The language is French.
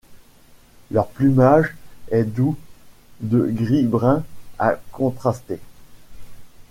Leur plumage est doux, de gris-brun à contrasté.